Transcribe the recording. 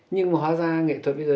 nhưng mà hóa ra nghệ thuật bây giờ